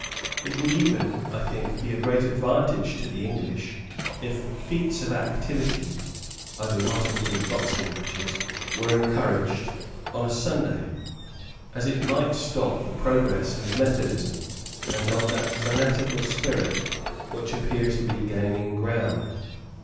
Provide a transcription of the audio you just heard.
It would even, I think, be a great advantage to the English, if feats of activity (I do not include boxing matches) were encouraged on a Sunday, as it might stop the progress of Methodism, and of that fanatical spirit which appears to be gaining ground.